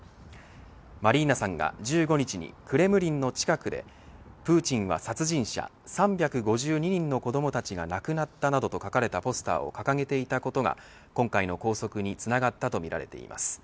マリーナさんが１５日にクレムリンの近くでプーチンは殺人者３５２人の子どもたちが亡くなったなどと書かれたポスターを掲げていたことが今回の拘束につながったとみられています。